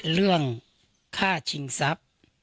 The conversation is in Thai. เรื่องฆ่าชิงสับ